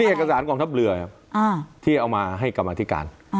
เนี่ยเอกสารกองทับเรืออ่าที่เอามาให้กรรมอธิการอ่า